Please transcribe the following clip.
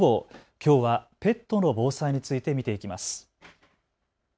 きょうはペットの防災について見ていきます。